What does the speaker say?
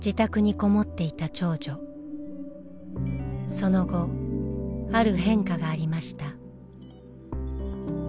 その後ある変化がありました。